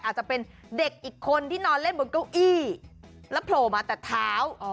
อาจจะเป็นเด็กอีกคนที่นอนเล่นบนเก้าอี้แล้วโผล่มาแต่เท้า